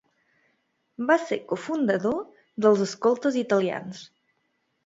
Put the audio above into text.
Va ser cofundador dels escoltes italians.